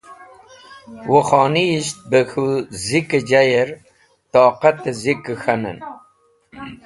Wuk̃honiyisht bẽ k̃hũ zikẽ jayẽr toqatẽ zikẽ k̃hanẽn.